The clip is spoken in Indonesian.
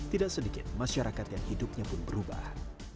tidak sedikit masyarakat yang hidupnya pun berubah